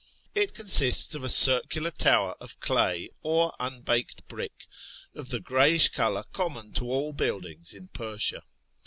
It consists of a circular tower of clay or unbaked brick, of the grayish colour common to all buildings in Persia.